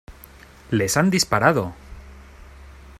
¡ les han disparado!